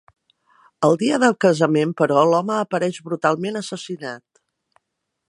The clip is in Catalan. El dia del casament, però, l'home apareix brutalment assassinat.